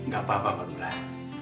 gak apa apa pak dulai